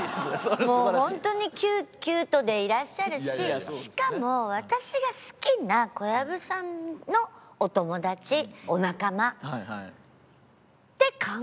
もう本当にキュートでいらっしゃるししかも私が好きな小籔さんのお友達お仲間って考えるじゃないですか。